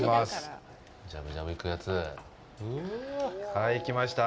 はい、来ました。